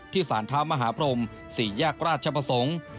ที่สารธามมหาพรม๔แยกราชประสงค์